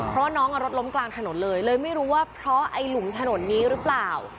เพราะว่าน้องรถล้มกลางถนนเลยเลยไม่รู้ว่าเพราะไอ้หลุมถนนนี้หรือเปล่า